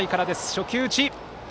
初球打ち！